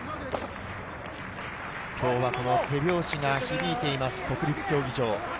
今日は手拍子が響いています、国立競技場。